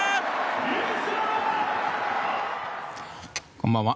こんばんは。